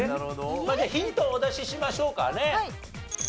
まあじゃあヒントをお出ししましょうかね。